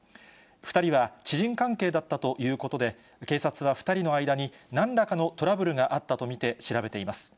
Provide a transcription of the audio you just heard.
２人は知人関係だったということで、警察は２人の間になんらかのトラブルがあったと見て調べています。